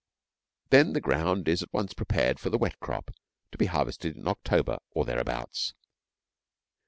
Then the ground is at once prepared for the wet crop, to be harvested in October or thereabouts.